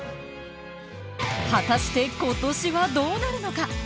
果たして今年はどうなるのか。